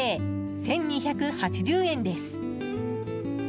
１２８０円です。